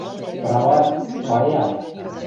Прават, пая!..